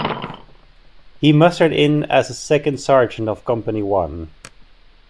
He mustered in as Second Sergeant of Company One.